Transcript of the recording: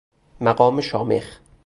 مقام شامخ